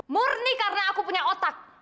murni karena aku punya otak